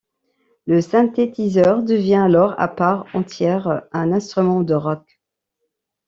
Le synthétiseur devient alors à part entière un instrument de rock.